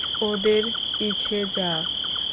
ওদের পিছে যা।